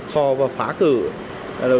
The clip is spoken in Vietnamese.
khò và phá cửa